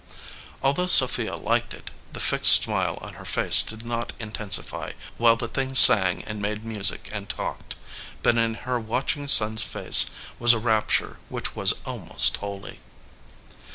Although Sophia liked it, the fixed smile on her face did not intensify while the thing sang and made music and talked, but in her watching son s face was a rapture which was al most holy.